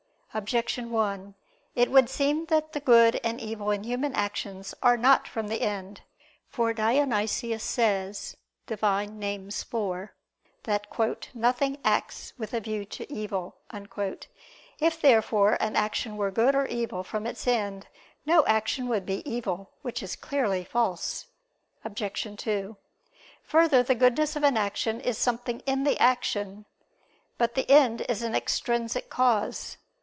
Objection 1: It would seem that the good and evil in human actions are not from the end. For Dionysius says (Div. Nom. iv) that "nothing acts with a view to evil." If therefore an action were good or evil from its end, no action would be evil. Which is clearly false. Obj. 2: Further, the goodness of an action is something in the action. But the end is an extrinsic cause.